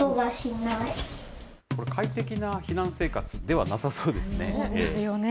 これ、快適な避難生活ではなさそうですね。